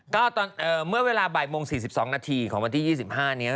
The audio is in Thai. ก็เมื่อเวลาบ่ายโมง๔๒นาทีของวันที่๒๕นี้